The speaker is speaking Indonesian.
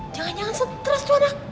jangan jangan stress tuh anak